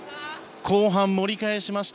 後半盛り返しました。